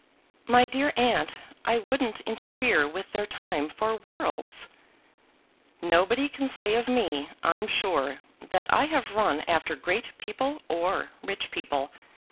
"My dear aunt, I wouldn't interfere with their time for worlds." "Nobody can say of me, I'm sure, that I run after great people or rich people.